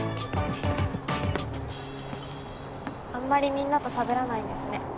あんまりみんなとしゃべらないんですね。